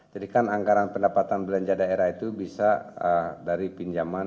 jadi kan anggaran pendapatan belanja daerah itu bisa dari pinjaman